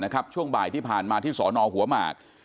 ในบ่ายที่ผ่านมาที่ศรนหัวมาก